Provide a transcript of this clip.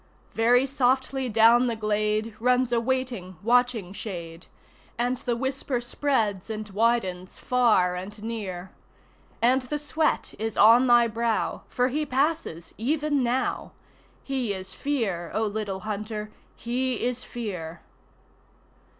Very softly down the glade runs a waiting, watching shade, And the whisper spreads and widens far and near; And the sweat is on thy brow, for he passes even now He is Fear, O Little Hunter, he is Fear!